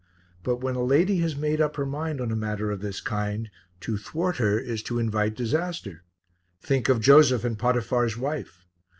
But when a lady has made up her mind on a matter of this kind, to thwart her is to invite disaster think of Joseph and Potiphar's wife.